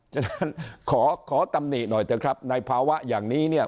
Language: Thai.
ฉะนั้นขอขอตำหนิหน่อยเถอะครับในภาวะอย่างนี้เนี่ย